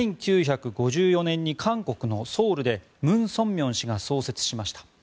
１９５４年に韓国のソウルでムン・ソンミョン氏が創設しました。